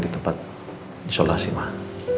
di tempat isolasi mah